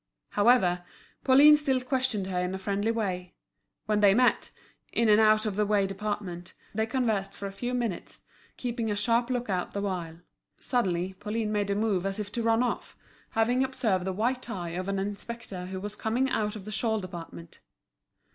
However, Pauline still questioned her in a friendly way; when they met, in an out of the way department, they conversed for a few minutes, keeping a sharp look out the while. Suddenly, Pauline made a move as if to run off, having observed the white tie of an inspector who was coming out of the shawl department.